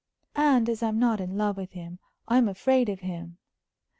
"And as I'm not in love with him, I'm afraid of him."